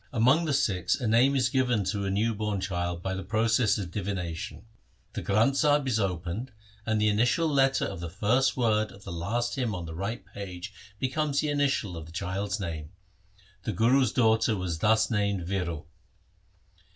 Among the Sikhs a name is given to a new born child by a process of divination. The Granth Sahib is opened and the initial letter of the first word of the last hymn on the right page becomes the initial of the child's name. The Guru's daughter was thus named Viro.